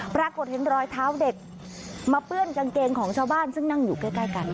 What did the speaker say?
ปรากฏเห็นรอยเท้าเด็กมาเปื้อนกางเกงของชาวบ้านซึ่งนั่งอยู่ใกล้กัน